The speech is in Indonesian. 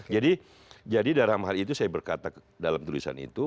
jadi dalam hal itu saya berkata dalam tulisan itu